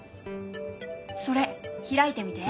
それ開いてみて。